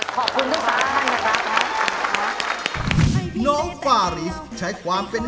ขอบคุณทุกคน